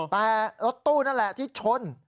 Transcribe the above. แต่รถตู้นั่นแหละที่ชน